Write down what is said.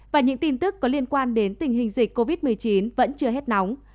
và những tin tức có liên quan đến tình hình dịch covid một mươi chín vẫn chưa hết nóng